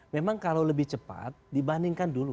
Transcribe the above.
memang kalau lebih cepat dibandingkan dulu